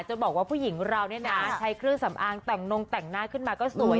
จะบอกว่าผู้หญิงเราเนี่ยนะใช้เครื่องสำอางแต่งนงแต่งหน้าขึ้นมาก็สวย